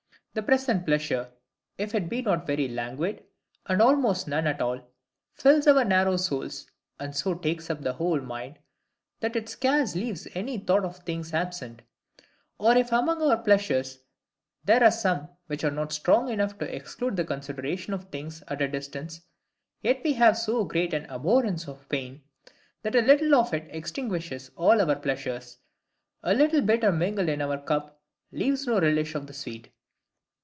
The present pleasure, if it be not very languid, and almost none at all, fills our narrow souls, and so takes up the whole mind that it scarce leaves any thought of things absent: or if among our pleasures there are some which are not strong enough to exclude the consideration of things at a distance, yet we have so great an abhorrence of pain, that a little of it extinguishes all our pleasures. A little bitter mingled in our cup, leaves no relish of the sweet.